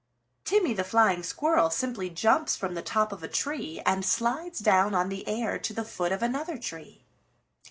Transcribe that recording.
Timmy the Flying Squirrel simply jumps from the top of a tree and slides down on the air to the foot of another tree.